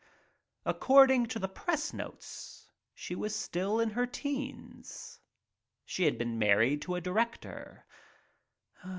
Accord ing to the press notices she was still in her teens. She had been married to a director.